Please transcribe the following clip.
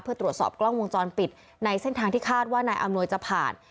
เพื่อตรวจสอบกล้องวงจรปิดในเส้นทางที่คาดว่านายอำนวยจะผ่าน